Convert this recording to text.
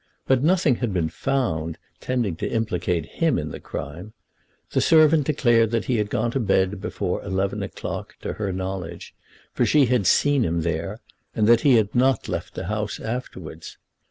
But nothing had been found tending to implicate him in the crime. The servant declared that he had gone to bed before eleven o'clock, to her knowledge, for she had seen him there, and that he had not left the house afterwards.